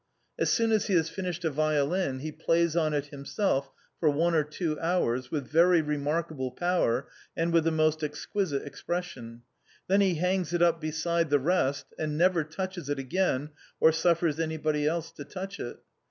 As soon as he has finished a violin he plays on it himself for one or two hours, with ver}' remarkable power and with the most exquisite expression, then he hangs it up beside the rest, and never touches it again or suffers anybody else to touch it.